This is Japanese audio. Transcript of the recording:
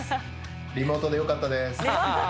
リモートでよかったです。